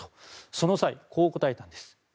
その際、こう答えたんです。